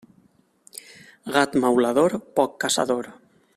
Gat maulador, poc caçador.